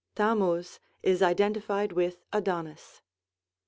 Thammuz is identified with Adonis.